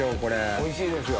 おいしいですよ。